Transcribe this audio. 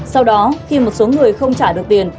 sau đó khi một số người không trả được tiền